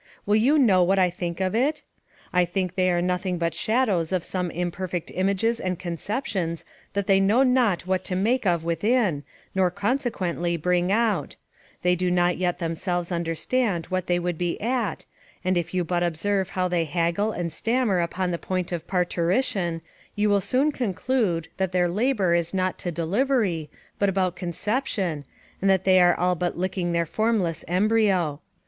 Will you know what I think of it? I think they are nothing but shadows of some imperfect images and conceptions that they know not what to make of within, nor consequently bring out; they do not yet themselves understand what they would be at, and if you but observe how they haggle and stammer upon the point of parturition, you will soon conclude, that their labour is not to delivery, but about conception, and that they are but licking their formless embryo.